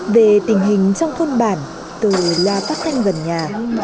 về tình hình trong thôn bản từ loa phát thanh gần nhà